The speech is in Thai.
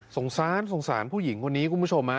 สงสารสงสารผู้หญิงคนนี้คุณผู้ชม